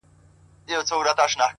• هغه ښار چي تا یې نکل دی لیکلی ,